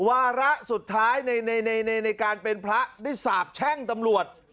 วาระสุดท้ายในการเป็นพระได้สาบแช่งตำรวจ